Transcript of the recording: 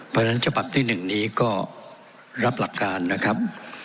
เพราะฉะนั้นฉบับที่๑นี้ก็รับหลักการนะครับ